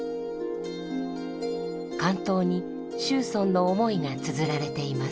巻頭に楸邨の思いがつづられています。